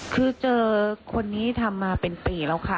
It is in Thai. คือเจอคนนี้ทำมาเป็นปีแล้วค่ะ